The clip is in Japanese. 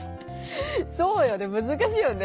そうよねむずかしいよね。